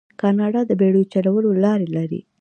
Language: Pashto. کاناډا د بیړیو چلولو لارې لري.